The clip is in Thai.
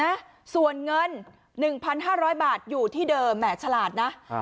นะส่วนเงินหนึ่งพันห้าร้อยบาทอยู่ที่เดิมแหมฉลาดนะครับ